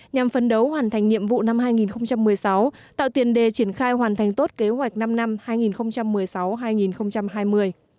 nhằm phấn đấu hoàn thành nhiệm vụ năm hai nghìn một mươi sáu tạo tiền đề triển khai hoàn thành tốt kế hoạch năm năm hai nghìn một mươi sáu hai nghìn hai mươi